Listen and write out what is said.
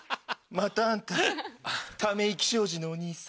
またあんたため息商事のお兄さん。